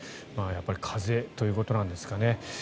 やっぱり風ということなんですかね。